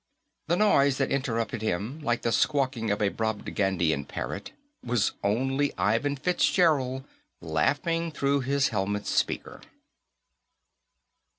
The noise that interrupted him, like the squawking of a Brobdingnagian parrot, was only Ivan Fitzgerald laughing through his helmet speaker.